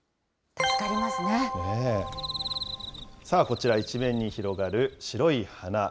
こちら、一面に広がる白い花。